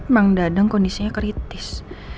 bang dadang kondisinya kritis